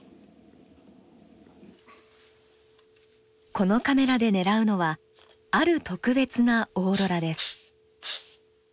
このカメラで狙うのはある特別なオーロラです。